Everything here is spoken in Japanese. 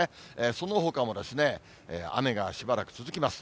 そのほかも雨がしばらく続きます。